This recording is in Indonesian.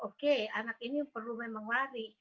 oke anak ini perlu memang lari